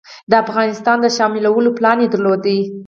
د افغانستان د شاملولو پلان درلود.